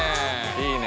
いいね。